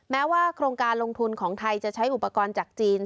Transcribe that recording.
แม้ว่าโครงการลงทุนของไทยจะใช้อุปกรณ์จากจีน